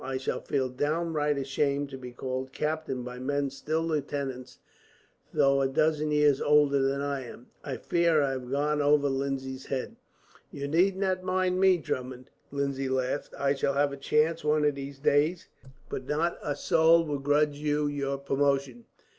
I shall feel downright ashamed to be called captain by men still lieutenants, though a dozen years older than I am. I fear I have gone over Lindsay's head." "You need not mind me, Drummond," Lindsay laughed. "I shall have a chance, one of these days; but not a soul will grudge you your promotion.